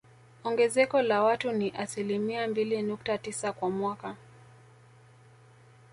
Ongezeko la watu ni asilimia mbili nukta tisa kwa mwaka